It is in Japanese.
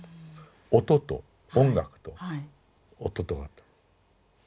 音と音楽と音とがあった。